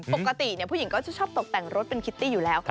ปกติผู้หญิงก็จะชอบตกแต่งรถเป็นคิตตี้อยู่แล้ว